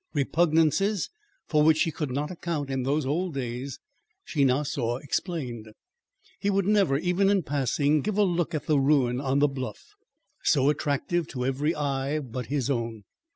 Repugnances for which she could not account in those old days, she now saw explained. He would never, even in passing, give a look at the ruin on the bluff, so attractive to every eye but his own.